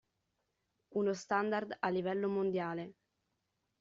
Uno standard a livello mondiale.